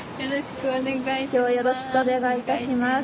よろしくお願いします。